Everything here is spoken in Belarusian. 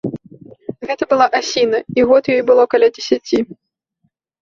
Гэта была асіна, і год ёй было каля дзесяці.